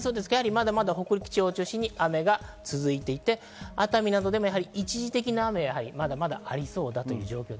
まだまだ北陸地方を中心に雨が続いていて、熱海などでも一時的な雨がありそうです。